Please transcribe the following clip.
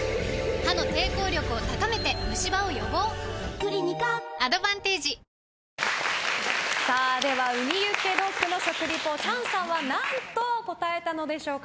クリニカアドバンテージ雲丹ユッケドッグの食リポチャンさんは何と答えたのでしょうか。